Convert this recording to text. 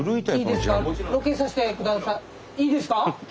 いいですか？